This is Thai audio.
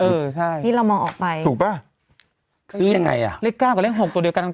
เออใช่นี่เรามองออกไปถูกป่ะซื้อยังไงอ่ะเลขเก้ากับเลขหกตัวเดียวกัน